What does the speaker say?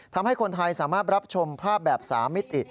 ทำให้คนไทยสามารถรับชมภาพแบบ๓มิติ